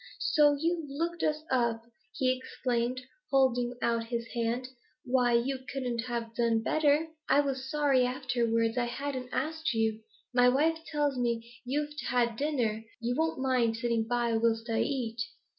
'So you've looked us up!' he exclaimed, holding out his hand. 'Why, you couldn't have done better; I was sorry afterwards I hadn't asked you. My wife tells me you've had dinner; you won't mind sitting by whilst I eat?